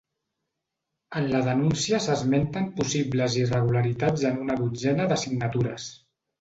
En la denúncia s’esmenten possibles irregularitats en una dotzena de signatures.